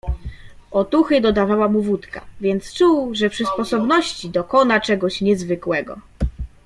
"Otuchy dodawała mu wódka, więc czuł, że przy sposobności dokona czegoś niezwykłego."